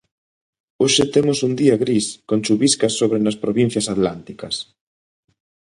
Hoxe temos un día gris, con chuviscas sobre nas provincias atlánticas.